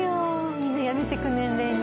みんなやめていく年齢に。